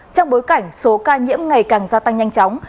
trong bối cảnh số ca nhiễm ngày càng gia tăng nhanh chóng